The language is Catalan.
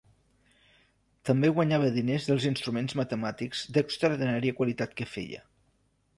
També guanyava diners dels instruments matemàtics d'extraordinària qualitat que feia.